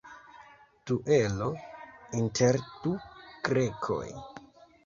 Duelo inter du grekoj.